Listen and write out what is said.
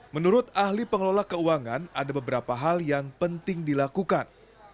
menurut ahli pengelola keuangan ada beberapa hal yang penting dilakukan